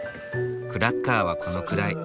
クラッカーはこのくらい。